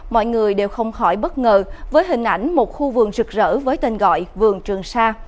mọi người đều không khỏi bất ngờ với hình ảnh một khu vườn rực rỡ với tên gọi vườn trường sa